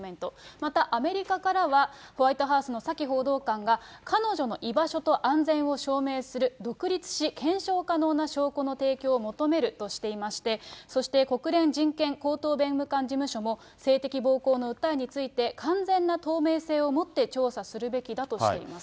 また、アメリカからは、ホワイトハウスのサキ報道官が、彼女の居場所と安全を証明する独立し、検証可能な証拠の提供を求めるとしていまして、そして国連人権高等弁務官事務所も、性的暴行の訴えについて、完全な透明性を持って調査するべきだとしています。